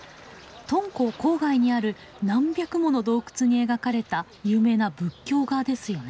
敦煌郊外にある何百もの洞窟に描かれた有名な仏教画ですよね。